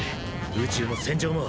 宇宙も戦場も。